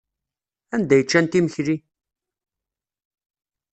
Anda ay ččant imekli?